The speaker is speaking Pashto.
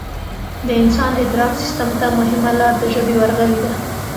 د انسان ادراک سیستم ته مهمه لار د ژبې ورغلې ده